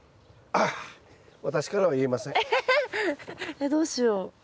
えっどうしよう。